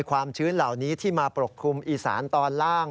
ความชื้นเหล่านี้ที่มาปกคลุมอีสานตอนล่าง